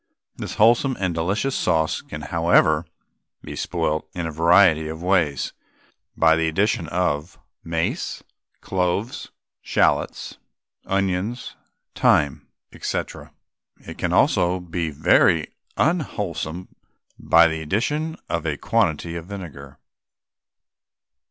This wholesome and delicious sauce can, however, be spoilt in a variety of ways by the addition of mace, cloves, shallots, onions, thyme, &c. It can also be made very unwholesome by the addition of a quantity of vinegar.